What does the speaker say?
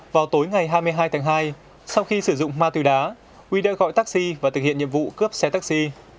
vào tối ngày hai mươi hai tháng hai sau khi sử dụng ma túy đá huy đã gọi taxi và thực hiện nhiệm vụ cướp xe taxi